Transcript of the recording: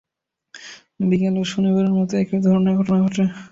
বিকেলেও শনিবারের মতো একই ধরনের ঘটনা ঘটে।